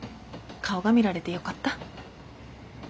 顔が見られてよかった。